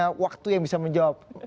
ada waktu yang bisa menjawab